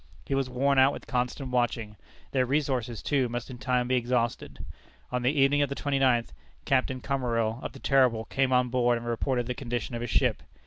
He was worn out with constant watching. Their resources, too, must in time be exhausted. On the evening of the 29th, Captain Commerill, of the Terrible, came on board, and reported the condition of his ship.